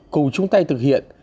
cùng trung tay thực hiện